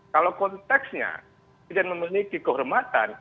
kalau konteksnya presiden memiliki kehormatan